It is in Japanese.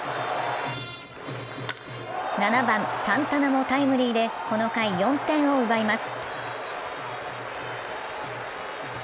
７番・サンタナもタイムリーで、この回４点を奪います。